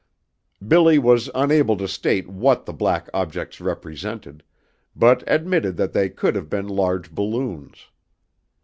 BILLY was unable to state what the black objects represented, but admitted that they could have been large balloons.